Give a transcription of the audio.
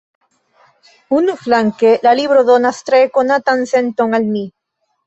Unuflanke, la libro donas tre konatan senton al mi.